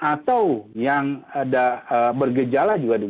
atau yang ada bergejala juga